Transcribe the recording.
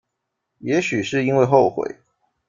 也许是因为后悔